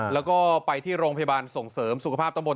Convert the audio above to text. แล้วก็ไปที่โรงพยาบาลส่งเสริมสุขภาพตะบน